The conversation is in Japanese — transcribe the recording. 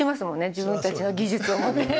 自分たちの技術をもって。